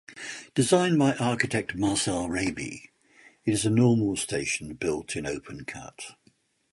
Designed by architect Marcel Raby, it is a normal station built in open cut.